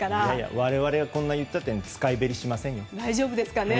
我々はこんな言ったって使い減りしませんよ。